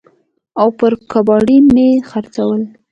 او پر کباړي مې خرڅول.